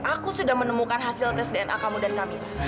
aku sudah menemukan hasil tes dna kamu dan kami